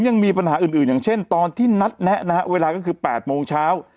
อย่างเช่นตอนที่นัดแนะเวลาก็คือ๘โมงเช้า